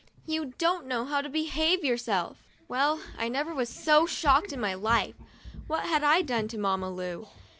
You don't know how to behave yourself." Well, I never was so shocked in my life. What had I done to Mamma Lu?